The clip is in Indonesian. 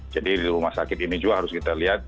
jadi di rumah sakit ini juga harus kita lihat